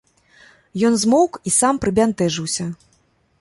Ён змоўк і сам прыбянтэжыўся.